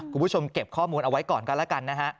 คุณผู้ชมเก็บข้อมูลเอาไว้ก่อนกันแล้วกันนะฮะ